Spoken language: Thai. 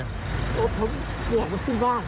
ผมเกลือกว่าขึ้นบ้าน